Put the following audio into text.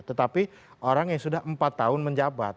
tetapi orang yang sudah empat tahun menjabat